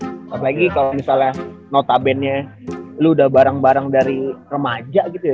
apalagi kalo misalnya notabene nya lu udah bareng bareng dari remaja gitu ya